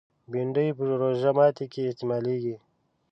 بېنډۍ په روژه ماتي کې استعمالېږي